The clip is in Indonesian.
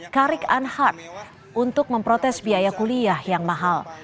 karik anhard untuk memprotes biaya kuliah yang mahal